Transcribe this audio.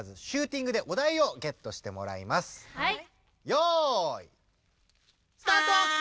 よいスタート！